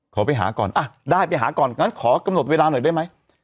ขอไปหาก่อนอ่ะได้ไปหาก่อนงั้นขอกำหนดเวลาหน่อยได้ไหม